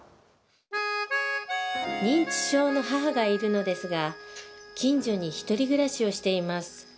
認知症の母がいるのですが近所に独り暮らしをしています。